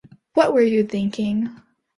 What were you thinking?